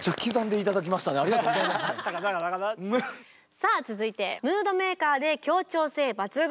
さあ続いてムードメーカーで協調性抜群。